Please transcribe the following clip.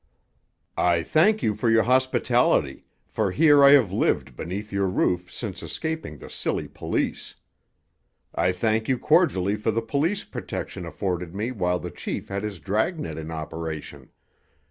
"I thank you for your hospitality, for here I have lived beneath your roof since escaping the silly police. "I thank you cordially for the police protection afforded me while the chief had his dragnet in operation.